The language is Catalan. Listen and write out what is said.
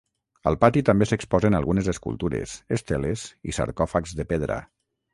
Al pati també s'exposen algunes escultures, esteles i sarcòfags de pedra.